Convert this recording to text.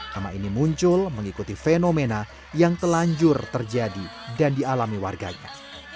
nama ini muncul mengikuti fenomena yang telanjur terjadi dan dialami warganya